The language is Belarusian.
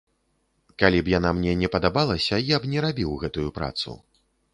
Калі б яна мне не падабалася, я б не рабіў гэтую працу.